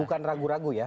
bukan ragu ragu ya